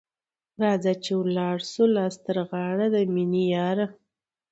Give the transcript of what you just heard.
راځه چي ولاړ سو لاس تر غاړه ، د میني یاره